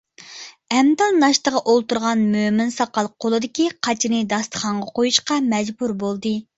ئەمدىلا ناشتىغا ئولتۇرغان مۆمىن ساقال قولىدىكى قاچىنى داستىخانغا قويۇشقا مەجبۇر بولدى.